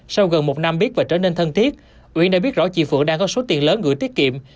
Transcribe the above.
sau gần một năm biết và trở nên thân thiết uyển đã biết rõ chị phượng đang có số tiền lớn gửi tiết kiệm